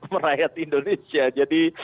merayat indonesia jadi